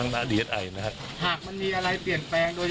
มันมีอะไรเปลี่ยนแปลงโดยเพราะ